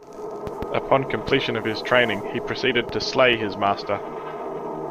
Upon completion of his training, he proceeded to slay his master.